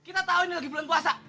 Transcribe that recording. kita tahu ini lagi bulan puasa